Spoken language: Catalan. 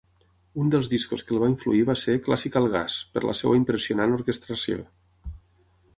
Un dels discos que el va influir va ser "Classical Gas", per la seva impressionant orquestració.